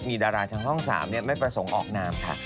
มีดาราทางช่อง๓ไม่ประสงค์ออกนามค่ะ